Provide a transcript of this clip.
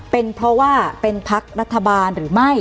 เป็นเพราะว่าเป็นพักรัฐบาลหรือไม่